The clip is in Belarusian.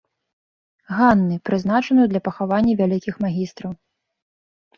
Ганны, прызначаную для пахавання вялікіх магістраў.